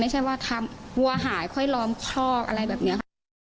ไม่ใช่ว่าทำวัวหายค่อยล้อมคอกอะไรแบบนี้ค่ะ